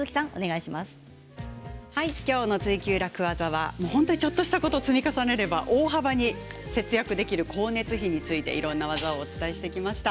今日の「ツイＱ楽ワザ」はちょっとしたことの積み重ねれば大幅に節約できる光熱費についていろんな技をお伝えしてきました。